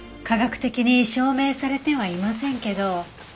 科学的に証明されてはいませんけど。